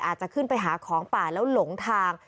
อาจจะขึ้นไปหาของป่าแล้วหลงทาง